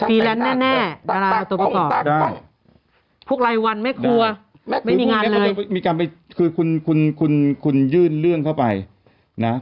ปีแล้วแน่ดาราตัวประกอบ